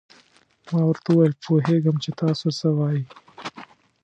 ما ورته وویل: پوهېږم چې تاسو څه وایئ.